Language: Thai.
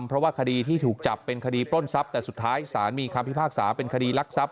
เพราะว่าคดีที่ถูกจับเป็นคดีปล้นทรัพย์แต่สุดท้ายศาลมีคำพิพากษาเป็นคดีรักทรัพ